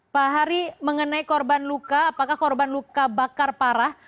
pak hari mengenai korban luka apakah korban luka bakar parah